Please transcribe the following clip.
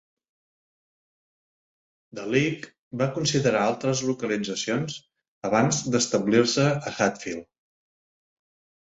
The League va considerar altres localitzacions abans d'establir-se a Hadfield.